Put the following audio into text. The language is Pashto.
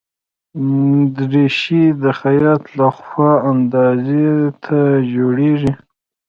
دریشي د خیاط له خوا اندازې ته جوړیږي.